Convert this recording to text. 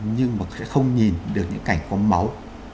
nhưng mà sẽ không nhìn được những cảnh có máu